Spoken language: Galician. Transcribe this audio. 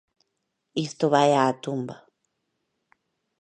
Isto vai á tumba.